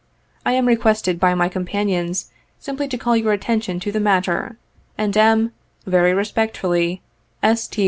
I am requested by my companions simply to call your attention to the matter, and am, Very respectfully, "S. T.